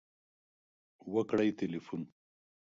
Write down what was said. .وکړئ تلیفون